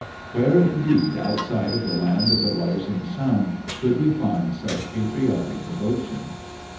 Where, indeed, outside of the Land of the Rising Sun could we find such patriotic devotion!